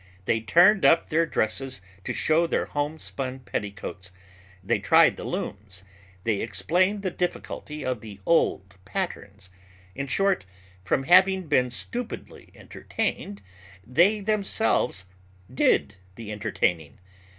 They turned up their dresses to show their homespun petticoats; they tried the looms; they explained the difficulty of the old patterns; in short, from having been stupidly entertained, they themselves did the entertaining.